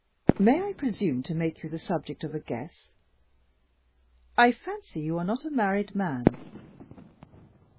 May I presume to make you the subject of a guess? I fancy you are not a married man."